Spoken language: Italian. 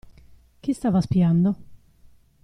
Chi stava spiando?